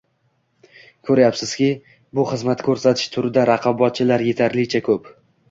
Koʻryapsizki, bu xizmat koʻrsatish turida raqobatchilar yetarlicha koʻp.